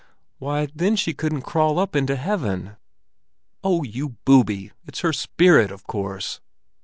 "Why, then she couldn't crawl up into heaven." "Oh, you booby! It's her spirit, of course!"